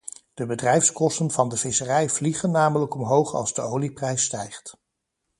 De bedrijfskosten van de visserij vliegen namelijk omhoog als de olieprijs stijgt.